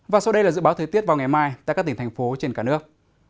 và sau đây là dự báo thời tiết vào ngày mai tại các tỉnh thành phố trên cả nước